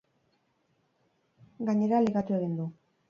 Gainera ligatu egin du!